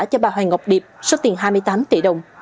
cho bà hoàng ngọc điệp số tiền hai mươi tám tỷ đồng